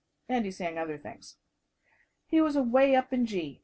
And he sang other things. He was away up in G.